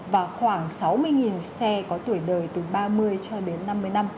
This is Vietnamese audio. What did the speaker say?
và khoảng sáu mươi xe có tuổi đời từ ba mươi cho đến năm mươi năm